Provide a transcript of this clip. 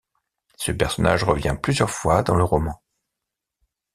Ce personnage revient plusieurs fois dans le roman.